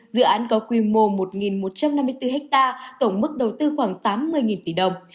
dự án có quy mô một một trăm năm mươi bốn ha tổng mức đầu tư khoảng tám mươi tỷ đồng